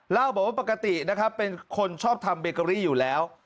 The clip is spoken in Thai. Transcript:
เล่าบอกว่าปกตินะครับเป็นคนชอบทำเบเกอรี่อยู่แล้ว